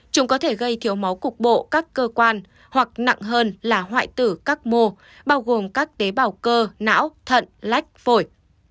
chúng có thể gây thiếu máu cục bộ các cơ quan hoặc nặng hơn là hoại tử các mô bao gồm các tế bào cơ não thận lách phổi